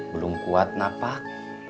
belum kuat napak